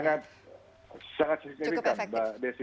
sangat signifikan mbak desi